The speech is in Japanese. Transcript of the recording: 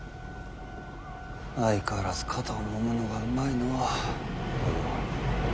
相変わらず肩をもむのがうまいのうお葉。